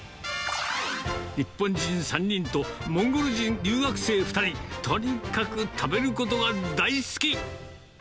日本人３人とモンゴル人留学生２人、とにかく食べることが大好き。